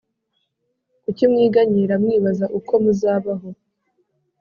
kuki mwiganyira mwibaza uko muzabaho